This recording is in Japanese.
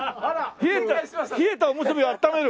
冷えたおむすびあっためる？